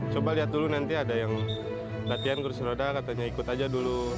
coba lihat dulu nanti ada yang latihan kursi roda katanya ikut aja dulu